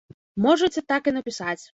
Можаце так і напісаць.